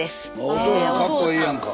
お父さんかっこいいやんか。